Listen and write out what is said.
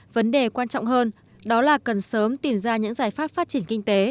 vấn đề quan trọng hơn đó là cần sớm tìm ra những giải pháp phát triển kinh tế